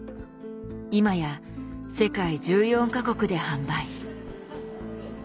今や世界１４か国で販売。